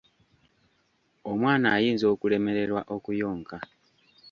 Omwana ayinza okulemererwa okuyonka.